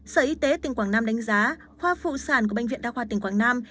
sở y tế tỉnh quảng nam đánh giá khoa phụ sản của bệnh viện đa khoa tỉnh quảng nam